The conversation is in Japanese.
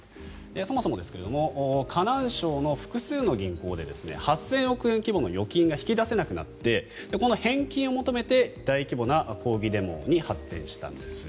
そもそもですが河南省の複数の銀行で８０００億円規模の預金が引き出せなくなってこの返金を求めて大規模な抗議デモに発展したんです。